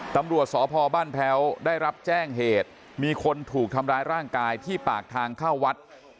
ตำรวจสพบ้านแพ้วได้รับแจ้งเหตุมีคนถูกทำร้ายร่างกายที่ปากทางเข้าวัด